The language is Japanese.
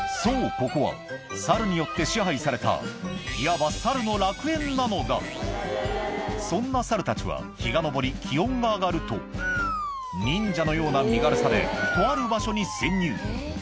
ここはサルによって支配されたいわばそんなサルたちは日が昇り気温が上がると忍者のような身軽さでとある場所に潜入